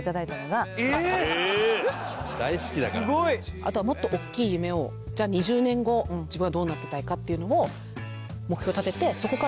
あとはもっとおっきい夢をじゃあ２０年後自分はどうなってたいかっていうのを目標立ててそこから